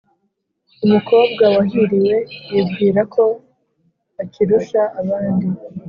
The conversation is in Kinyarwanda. Umukobwa wahiriwe yibwira ko akirusha abandi.